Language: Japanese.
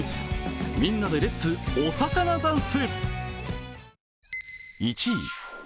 みんなでレッツ、お魚ダンス。